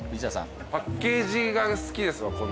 パッケージが好きですわ。